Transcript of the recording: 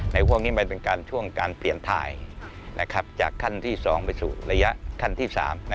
ในว่างนี้มันเป็นช่วงการเปลี่ยนทายจากขั้นที่สองไปสู่ระยะขั้นที่สาม